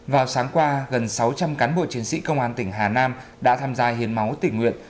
vào sáng qua gần sáu trăm linh cán bộ chiến sĩ công an tỉnh hà nam đã tham gia hiến máu tỉnh nguyện